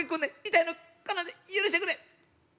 痛いのかなわんねん許してくれ！」。